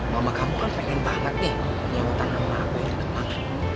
mama kamu kan pengen banget nih nyewa tangan sama aku yang deket banget